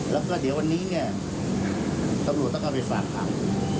แล้วก็เดี๋ยวอันนี้เนี่ยส่วนโรยต้องการไปฝากหัง